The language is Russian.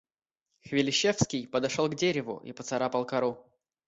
Хвилищевский подошёл к дереву и поцарапал кору.